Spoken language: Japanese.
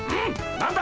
何だ？